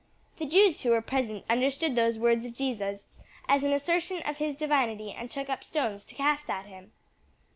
The Jews who were present understood those words of Jesus as an assertion of his divinity and took up stones to cast at him."